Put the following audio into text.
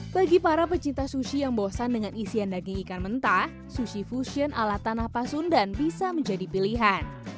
bagi para pecinta sushi yang bosan dengan isian daging ikan mentah sushi fusion ala tanah pasundan bisa menjadi pilihan